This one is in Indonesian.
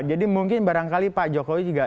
jadi mungkin barangkali pak jokowi